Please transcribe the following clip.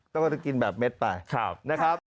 ก็จะกินแบบเม็ดไปนะครับ